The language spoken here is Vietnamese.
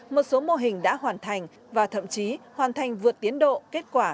một số mô hình đã hoàn thành và thậm chí hoàn thành vượt tiến độ kết quả